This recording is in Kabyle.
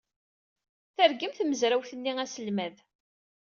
Tergem tmezrawt-nni aselmad.